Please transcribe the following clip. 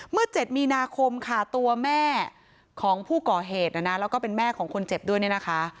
๗มีนาคมค่ะตัวแม่ของผู้ก่อเหตุนะนะแล้วก็เป็นแม่ของคนเจ็บด้วยเนี่ยนะคะ